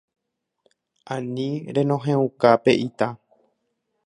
Ani renohẽuka pe ita